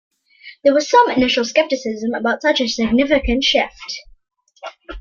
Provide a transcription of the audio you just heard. There was some initial skepticism about such a significant shift.